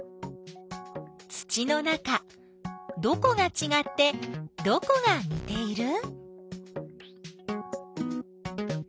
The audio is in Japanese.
土の中どこがちがってどこがにている？